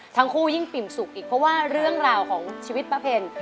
ทั้งคู่ยิ่งปิ่มสุขอีกเพราะว่าเรื่องราวของชีวิตป้าเพล